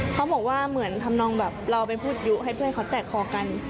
เขาบอกว่าเหมือนทำนองแบบเราไปพูดยุให้เพื่อนเขาแตกคอกัน